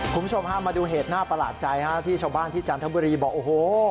คุณผู้ชมฮะมาดูเหตุน่าประหลาดใจฮะที่ชาวบ้านที่จันทบุรีบอกโอ้โห